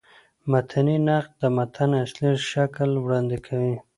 متني نقد د متن اصلي شکل وړاندي کوي.